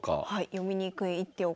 読みにくい一手を。